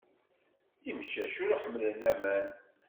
Imcac ur ḥemmlen aman.